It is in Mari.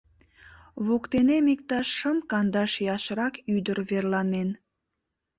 Воктенем иктаж шым-кандаш ияшрак ӱдыр верланен.